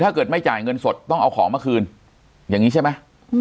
ถ้าเกิดไม่จ่ายเงินสดต้องเอาของมาคืนอย่างนี้ใช่ไหม